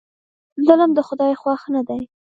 ظلم د خدای خوښ نه دی.